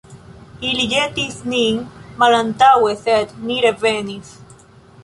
Ili ĵetis nin malantaŭe, sed ni revenis.